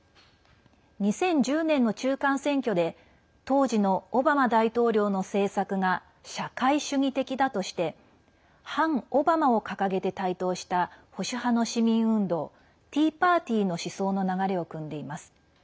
２０１０年の中間選挙で当時のオバマ大統領の政策が社会主義的だとして反オバマを掲げて台頭した保守派の市民運動ティーパーティーの思想の流れをくんでいます。